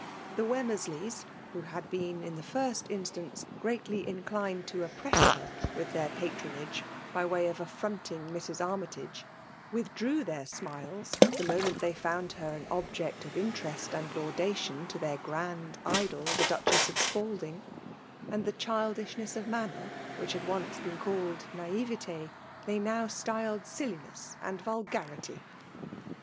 The Wemmersleys, who had been in the first instance greatly inclined to oppress her with their patronage by way of affronting Mrs. Annytage, withdrew their smSes the moment they found her an object of interest and laudation to their grand idoi the Duchess of Spalding ; amd the diildishness of manner which had been once called naiveU, 68 FEMALE D09(XNATM>I«.. they Qow styled sUtiness.and vulgarity.